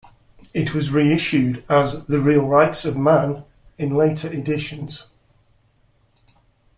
It was re-issued as "The Real Rights of Man" in later editions.